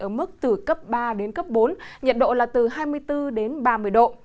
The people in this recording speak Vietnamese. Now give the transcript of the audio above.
ở mức từ cấp ba đến cấp bốn nhiệt độ là từ hai mươi bốn đến ba mươi độ